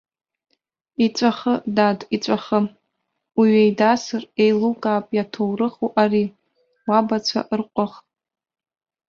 Иҵәахы, дад, иҵәахы, уҩеидасыр еилукаап иаҭоурыху ари, уабацәа рҟәых.